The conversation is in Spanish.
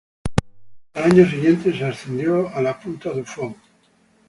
Al año siguiente se ascendió a la Punta Dufour.